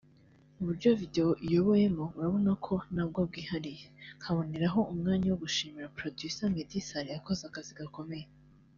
uburyo video iyoboyemo urabona ko nabwo bwihariye nkaboneraho umwanya wo gushimira Producer Meddy Saleh yakoze akazi gakomeye